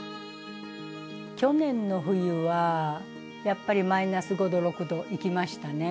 去年の冬はやっぱりマイナス５６度いきましたね。